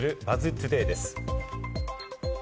トゥデイです。